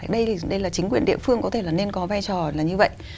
đây là chính quyền địa phương có thể là nên có vai trò là như vậy